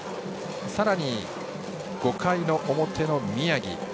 さらに５回の表の宮城。